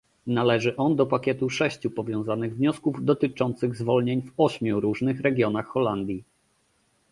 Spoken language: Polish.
Należy on do pakietu sześciu powiązanych wniosków dotyczących zwolnień w ośmiu różnych regionach Holandii